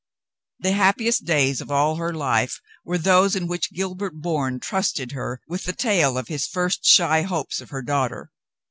The happiest days of all her life were those in which Gilbert Bourne trusted her with the tale of his first shy hopes of her daughter.